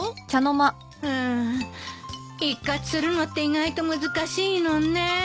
フゥ一喝するのって意外と難しいのね。